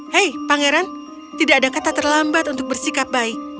hei pangeran tidak ada kata terlambat untuk bersikap baik